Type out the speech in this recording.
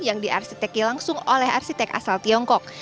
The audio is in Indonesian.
yang diarsiteki langsung oleh arsitek asal tiongkok